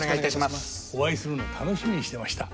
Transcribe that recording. お会いするのを楽しみにしていました。